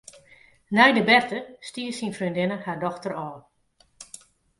Nei de berte stie syn freondinne har dochter ôf.